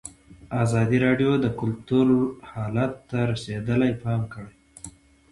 ازادي راډیو د کلتور حالت ته رسېدلي پام کړی.